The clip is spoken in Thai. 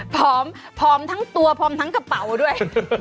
พร้อมทั้งตัวพร้อมทั้งกระเป๋าด้วย